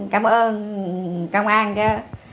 cảm ơn công an cho